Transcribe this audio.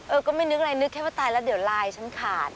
ก็ไม่นึกอะไรนึกแค่ว่าตายแล้วเดี๋ยวลายฉันขาด